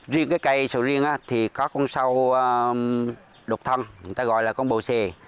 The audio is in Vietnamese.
riêng cái cây sầu riêng thì có con sâu đục thăm người ta gọi là con bồ xề